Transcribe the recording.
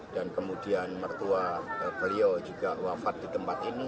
dan kemudian mertua beliau juga wafat di tempat ini